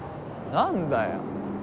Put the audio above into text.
何だよ。